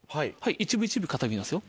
一部一部固めますよ。